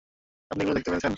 আপনি এগুলো দেখতে পেরেছেন?